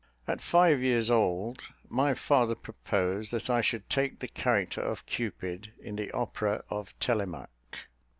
"At five years old, my father proposed that I should take the character of Cupid, in the opera of Telemaque.